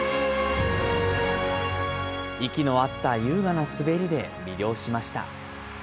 息の合った優雅な滑りで魅了しました。